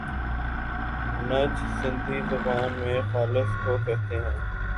نج سندھی زبان میں خالص کوکہتے ہیں۔